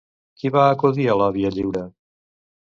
Qui va acudir a la Via Lliure?